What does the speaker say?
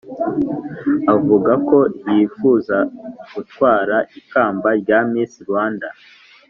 avuga ko yifuza gutwara ikamba rya miss rwanda